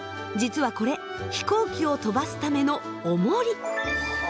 実はこれ飛行機を飛ばすためのおもり。